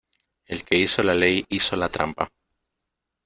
El que hizo la ley hizo la trampa.